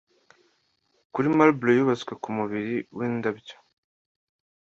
Kuri marble yubatswe kumuriri windabyo